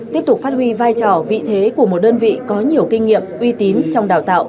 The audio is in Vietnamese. tiếp tục phát huy vai trò vị thế của một đơn vị có nhiều kinh nghiệm uy tín trong đào tạo